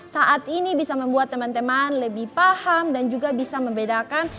saat ini bisa membuat teman teman lebih paham dan juga bisa membedakan